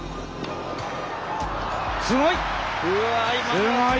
すごい！